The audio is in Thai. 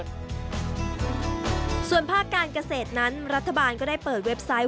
ส่วนภาคการเกษตรนั้นรัฐบาลก็ได้เปิดเว็บไซต์